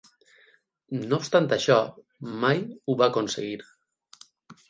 No obstant això, mai ho va aconseguir.